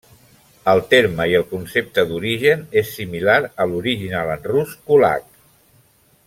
El terme i el concepte d'origen és similar a l'original en rus kulak.